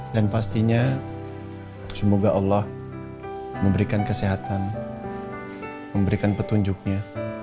dan pastinya semoga allah memberikan kesehatan memberikan petunjuknya